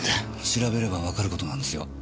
調べればわかる事なんですよ。